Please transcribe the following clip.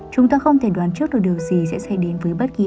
chúng ta không thể đoán trước được điều gì sẽ xảy đến với bất kỳ ai